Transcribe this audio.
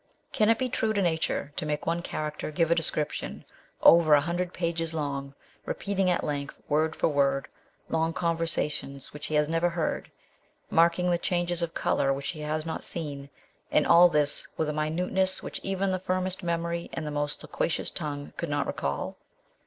Can it be true to nature to make one character give a description, over a hundred pages long, repeating at length, word for word, long conversations which he has never heard, marking the changes of colour which he has not seen and all this with a minuteness which even the firmest memory and the most loquacious tongue could not recall?